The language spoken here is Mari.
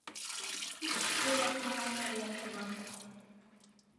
Ик тыяк гына марием улат...